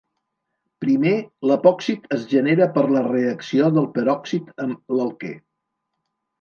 Primer, l'epòxid es genera per la reacció del peròxid amb l'alquè.